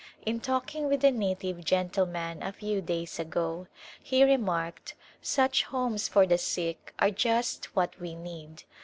In talking with a native gentleman a ^^^n days ago, he remarked, " Such homes for the sick are just what we need.